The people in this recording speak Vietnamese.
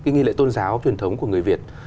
nghi lễ tôn giáo truyền thống của người việt